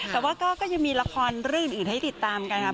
แต่ว่าก็ยังมีละครเรื่องอื่นให้ติดตามกันครับ